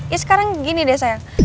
ya sekarang gini deh saya